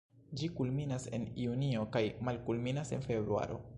Ĝi kulminas en junio kaj malkulminas en februaro.